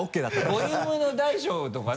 ボリュームの大小とかね。